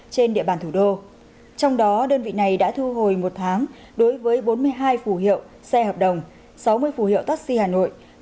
trong đó đơn vị này đã thu hồi một tháng đối với bốn mươi hai phù hiệu xe hợp đồng sáu mươi phù hiệu taxi hà nội